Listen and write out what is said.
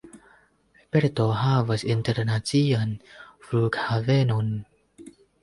Perto havas internacian flughavenon.